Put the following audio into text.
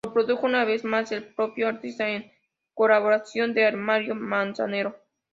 Lo produjo, una vez más, el propio artista en colaboración de Armando Manzanero.